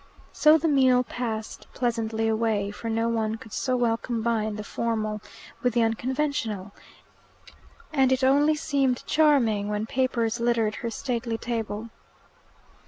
So the meal passed pleasantly away, for no one could so well combine the formal with the unconventional, and it only seemed charming when papers littered her stately table.